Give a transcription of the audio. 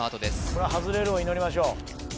これ外れるを祈りましょう